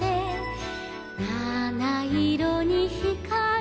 「なないろにひかる」